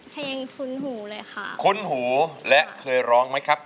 เพลงคุ้นหูเลยค่ะคุ้นหูและเคยร้องไหมครับ